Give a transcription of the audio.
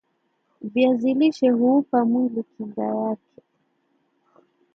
viazi lishe huupa mwili kinga yake